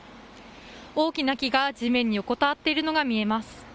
大きな木が地面に横たわっているのが見えます。